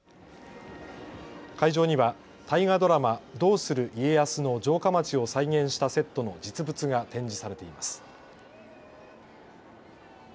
会場には大河ドラマ、どうする家康の城下町を再現したセットの実物が展示されています。